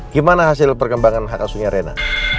gimana hasil perkembangan hak asuhnya rena